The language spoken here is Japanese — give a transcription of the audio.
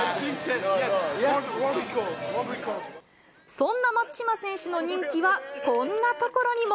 そんな松島選手の人気は、こんなところにも。